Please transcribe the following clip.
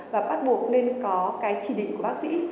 và bắt buộc nên có cái chỉ định của bác sĩ